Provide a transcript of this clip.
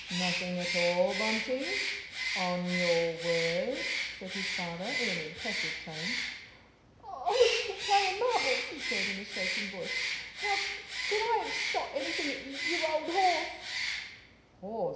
"Nothing at all, Bunty? On your word?" said his father, in an impressive tone. "I was p playin' marbles," he said, in a shaking voice. "How c c could I have sh shot anything at y y your old horse?"